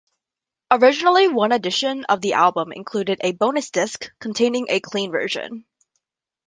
Originally one edition of the album included a bonus disc containing a clean version.